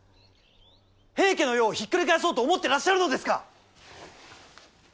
平家の世をひっくり返そうと思ってらっしゃるのですか！